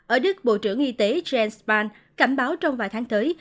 ở đức bộ trưởng y tế jens spahn cảnh báo trong vài tháng tới